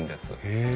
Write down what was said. へえ。